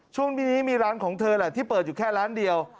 ช่วงนี้มีร้านของเธอแหละที่เปิดอยู่แค่ร้านเดียว